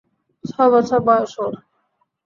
ছয় বছর বয়স ওর!